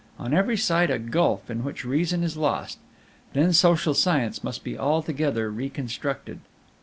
On every side a gulf in which reason is lost! Then social science must be altogether reconstructed.